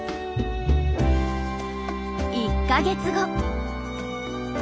１か月後。